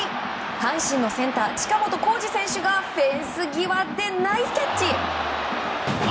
阪神のセンター近本光司選手がフェンス際でナイスキャッチ。